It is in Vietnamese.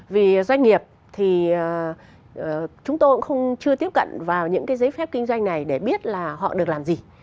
vì doanh nghiệp chúng tôi cũng chưa tiếp cận vào những giấy phép kinh doanh này để biết họ được làm gì